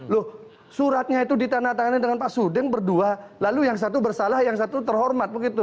loh suratnya itu ditandatangani dengan pak suding berdua lalu yang satu bersalah yang satu terhormat begitu